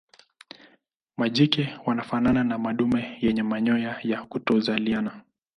Majike wanafanana na madume yenye manyoya ya kutokuzaliana.